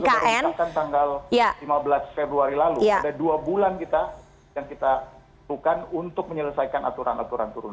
baru misalkan tanggal lima belas februari lalu ada dua bulan kita yang kita butuhkan untuk menyelesaikan aturan aturan turunan